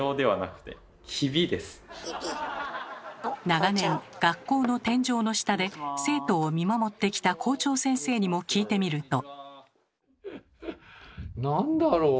長年学校の天井の下で生徒を見守ってきた校長先生にも聞いてみると。